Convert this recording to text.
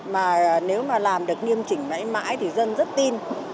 mà nếu mà làm được nghiêm chỉnh mãi mãi thì dân rất tin